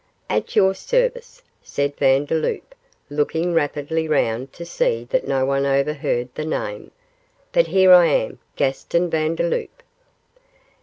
'At your service,' said Vandeloup, looking rapidly round to see that no one overheard the name, 'but here I am Gaston Vandeloup.